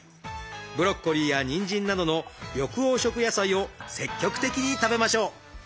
ブロッコリーやにんじんなどの緑黄色野菜を積極的に食べましょう！